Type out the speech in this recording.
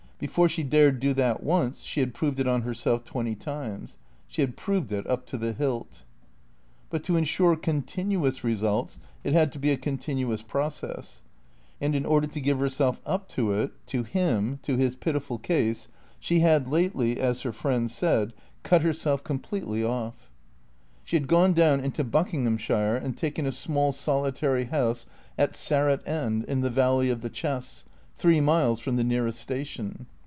Before she dared do that once she had proved it on herself twenty times. She had proved it up to the hilt. But to ensure continuous results it had to be a continuous process; and in order to give herself up to it, to him (to his pitiful case), she had lately, as her friends said, "cut herself completely off." She had gone down into Buckinghamshire and taken a small solitary house at Sarratt End in the valley of the Chess, three miles from the nearest station.